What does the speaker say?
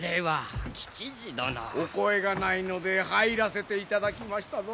お声がないので入らせていただきましたぞ。